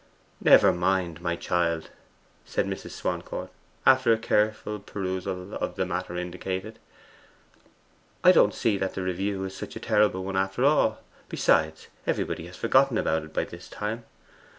'Never mind, my child,' said Mrs. Swancourt after a careful perusal of the matter indicated. 'I don't see that the review is such a terrible one, after all. Besides, everybody has forgotten about it by this time.